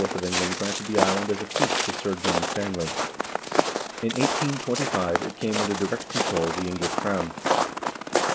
of England granted the island as a fief to Sir John Stanley. In 1825 it came under direct control of the English crown.